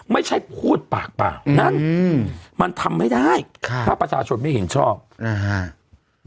ไม่ใช่พูดปากเปล่านั่นอืมมันทำไม่ได้ค่ะถ้าประชาชนไม่เห็นชอบนะฮะ